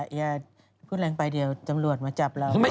อย่าพูดแรงไปเดี๋ยวตำรวจมาจับเรา